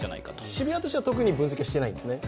渋谷としては特に理由づけしてないんですね